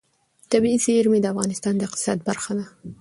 طبیعي زیرمې د افغانستان د اقتصاد برخه ده.